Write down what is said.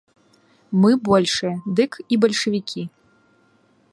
Мы большыя, дык і бальшавікі.